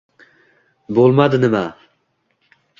bo’lmadi nima?